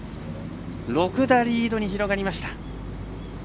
６打リードに広がりました。